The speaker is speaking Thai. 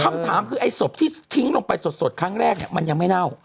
คำถามคือไอ้ศพที่ทิ้งลงไปสดครั้งแรกเนี่ยมันยังไม่เน่า